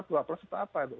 dua puluh setelah apa itu